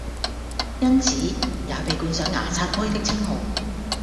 因此也被冠上「牙刷妹」的稱號！